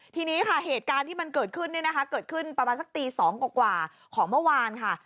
ทีนี้ค่ะเหตุการณ์ที่มันเกิดขึ้นเนี่ยนะคะเกิดขึ้นประมาณสักตี๒กว่าของเมื่อวานค่ะ